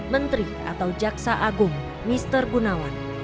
menteri atau jaksa agung mister gunawan